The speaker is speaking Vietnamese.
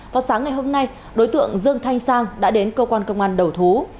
vào sáng ngày hôm nay đối tượng dương thanh sang đã đến cơ quan công an đầu thú